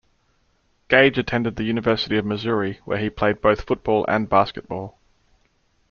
Gage attended the University of Missouri where he played both football and basketball.